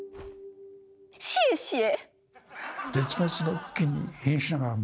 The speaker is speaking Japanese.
シエシエ！